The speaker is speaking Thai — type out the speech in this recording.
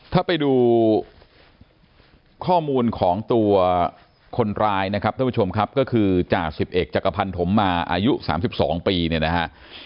ถ้าไปดูข้อมูลของตัวคนร้ายนะครับท่านผู้ชมครับก็คือจ่าสิบเอกจักรพันธมมาอายุ๓๒ปีเนี่ยนะฮะ